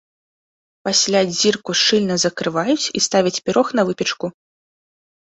Пасля дзірку шчыльна закрываюць і ставяць пірог на выпечку.